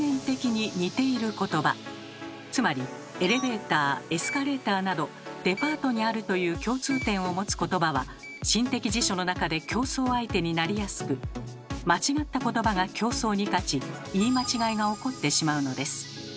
つまりエレベーターエスカレーターなど「デパートにある」という共通点を持つ言葉は心的辞書の中で競争相手になりやすく間違った言葉が競争に勝ち言い間違いが起こってしまうのです。